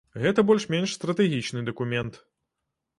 Гэта больш-менш стратэгічны дакумент.